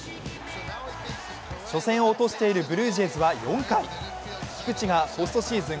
初戦を落としているブルージェイズは４回、菊池がポストシーズン